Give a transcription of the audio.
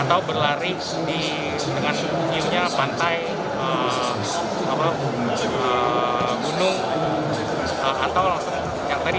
atau berlari dengan hiunya pantai gunung atau langsung yang tadi